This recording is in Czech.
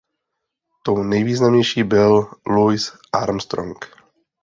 Tou nejvýznamnější byl Louis Armstrong.